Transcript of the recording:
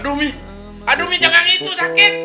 aduh mie aduh mie jangan gitu sakit